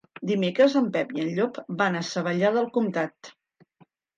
Dimecres en Pep i en Llop van a Savallà del Comtat.